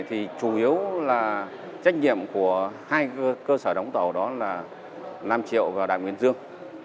thì chủ yếu là trách nhiệm của hai cơ sở đóng tàu đó là năm triệu và đại nguyên dương